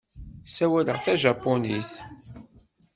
Ssawaleɣ tajapunit.